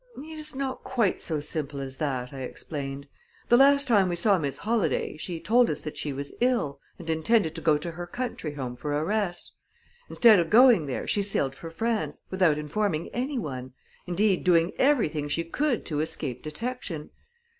"It is not quite so simple as that," I explained. "The last time we saw Miss Holladay, she told us that she was ill, and intended to go to her country home for a rest. Instead of going there, she sailed for France, without informing anyone indeed, doing everything she could to escape detection.